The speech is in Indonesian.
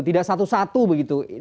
tidak satu satu begitu